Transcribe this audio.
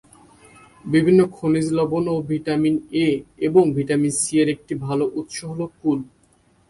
বিভিন্ন খনিজ লবণ এবং ভিটামিন এ এবং ভিটামিন সি-এর একটি ভালো উৎস হচ্ছে কুল।